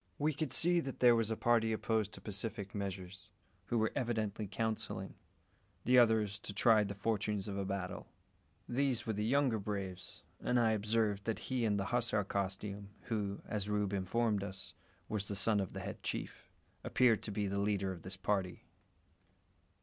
We could see that there was a party opposed to pacific measures, who were evidently counselling, the others to try the fortunes of a battle. These were the younger braves; and I observed that he in the hussar costume, who, as Rube informed us, was the son of the head chief, appeared to be the leader of this party.